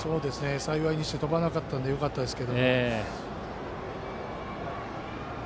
幸いにして飛ばなかったのでよかったんですが。